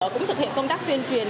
cũng thực hiện công tác tuyên truyền